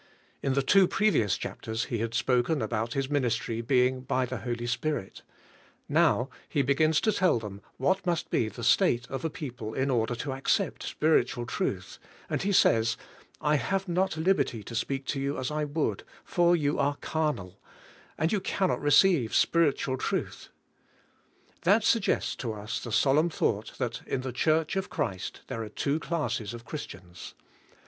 In the two previous chapters he had spoken about his ministry being by the Holy Spirit; now he begins to tell them what must be the state of a people in order to accept spiritual truth, and he says: "I have not liberty to speak to you as I would, for you are carnal, and you cannot receive Spiritual truth." That suggests to us the solemn thought, that in the Church of Christ there are two classes of Christians.